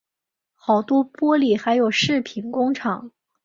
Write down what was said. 好多玻璃还有饰品工厂